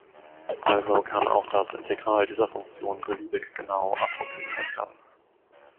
Also kann auch das Integral dieser Funktion beliebig genau approximiert werden.